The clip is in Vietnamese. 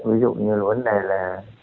ví dụ như lối này là